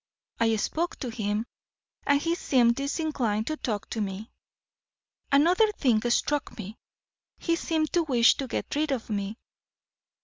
I spoke to him, and he seemed disinclined to talk to me. Another thing struck me he seemed to wish to get rid of me.